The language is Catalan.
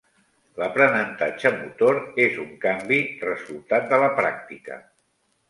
L'aprenentatge motor és un canvi, resultat de la pràctica.